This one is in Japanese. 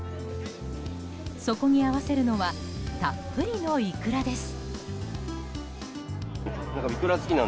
そこに合わせるのはたっぷりのイクラです。